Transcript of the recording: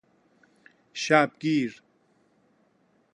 شبگیر